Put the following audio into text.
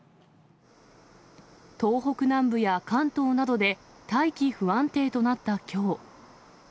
東北南部や関東などで、大気不安定となったきょう。